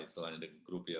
istilahnya dengan grup ya